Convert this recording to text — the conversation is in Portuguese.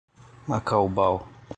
Macaubal